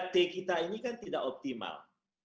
tiga t kita ini kan tidak optimal